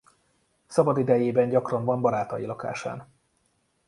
Szabadidejében gyakran van barátai lakásán.